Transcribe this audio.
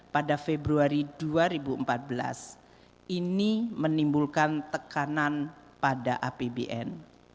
pada februari dua ribu empat belas ini menimbulkan tekanan pada apbn